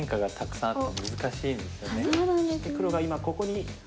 そして黒が今ここにハネる。